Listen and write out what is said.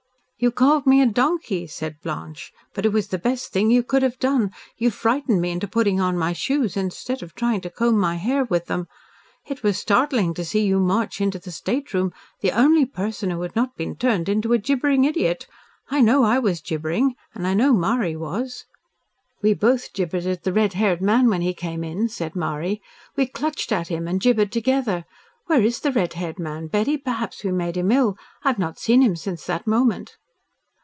"You called me a donkey," said Blanche, "but it was the best thing you could have done. You frightened me into putting on my shoes, instead of trying to comb my hair with them. It was startling to see you march into the stateroom, the only person who had not been turned into a gibbering idiot. I know I was gibbering, and I know Marie was." "We both gibbered at the red haired man when he came in," said Marie. "We clutched at him and gibbered together. Where is the red haired man, Betty? Perhaps we made him ill. I've not seen him since that moment."